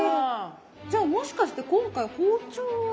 じゃあもしかして今回包丁は。